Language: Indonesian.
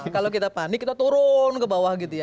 kalau kita panik kita turun ke bawah gitu ya